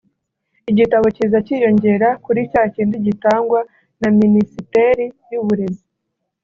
igitabo kiza kiyongera kuri cya kindi gitangwa na Minisiteri y’Uburezi